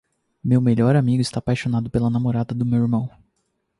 Meu melhor amigo está apaixonado pela namorada do meu irmão.